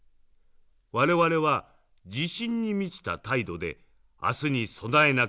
我々は自信に満ちた態度で明日に備えなければならない。